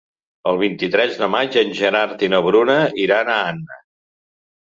El vint-i-tres de maig en Gerard i na Bruna iran a Anna.